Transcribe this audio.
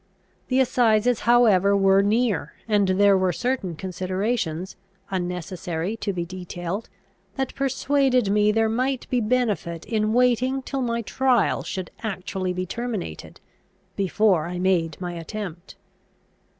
The assizes however were near, and there were certain considerations, unnecessary to be detailed, that persuaded me there might be benefit in waiting till my trial should actually be terminated, before I made my attempt.